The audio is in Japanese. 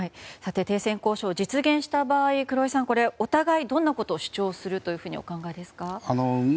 停戦交渉、実現した場合お互い、どんなことを主張するとお考えですか？